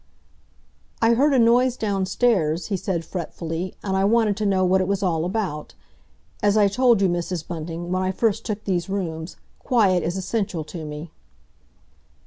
"I heard a noise downstairs," he said fretfully, "and I wanted to know what it was all about. As I told you, Mrs. Bunting, when I first took these rooms, quiet is essential to me."